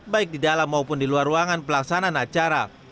baik di dalam maupun di luar ruangan pelaksanaan acara